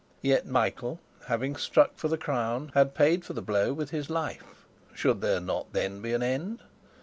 Yet Michael, having struck for the crown, had paid for the blow with his life: should there not then be an end?